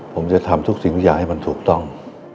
ผมจะทำทุกอย่างให้มันถูกต้อง